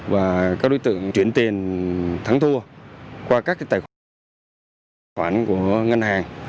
và các đối tượng chuyển tiền thắng thua qua các tài khoản của ngân hàng